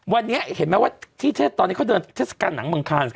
วันนี้เห็นไหมว่าที่เทศตอนนี้เขาเดินเทศกาลหนังเมืองคาน